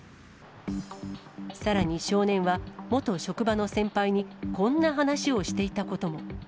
さらに少年は、元職場の先輩に、こんな話をしていたことも。